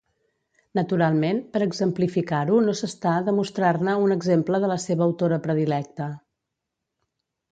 Naturalment, per exemplificar-ho no s'està de mostrar-ne un exemple de la seva autora predilecta.